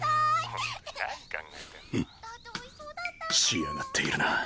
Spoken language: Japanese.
仕上がっているな。